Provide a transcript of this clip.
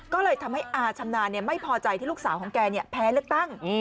ก็เลยทำให้อาชำนาญไม่พอใจที่ลูกสาวของแกแพ้เลือกตั้ง